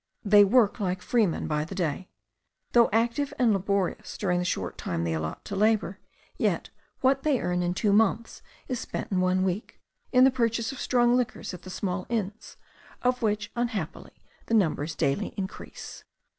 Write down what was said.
They work like freemen by the day. Though active and laborious during the short time they allot to labour, yet what they earn in two months is spent in one week, in the purchase of strong liquors at the small inns, of which unhappily the numbers daily increase.